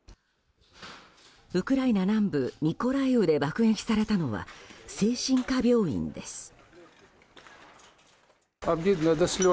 ウクライナ南部ミコライウで爆撃されたのは精神科病院です。